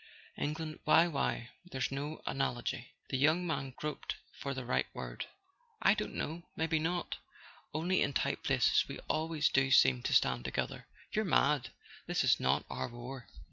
"England? WTiy—why, there's no analogy " The young man groped for the right word. "I don't know. Maybe not. Only in tight places we always do seem to stand together." "You're mad—this is not our war.